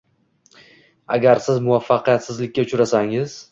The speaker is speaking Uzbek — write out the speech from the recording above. Agar siz muvaffaqiyatsizlikka uchrasangiz